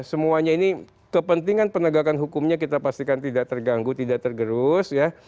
semuanya ini kepentingan penegakan hukumnya kita pastikan tidak terganggu tidak tergerus ya